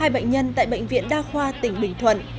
hai bệnh nhân tại bệnh viện đa khoa tỉnh bình thuận